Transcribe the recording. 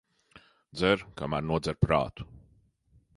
Dzer, kamēr nodzer prātu.